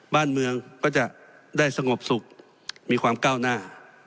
บ้านเมืองก็จะได้สงบสุขมีความก้าวหน้า